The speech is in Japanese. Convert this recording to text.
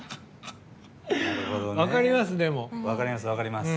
分かります、でも。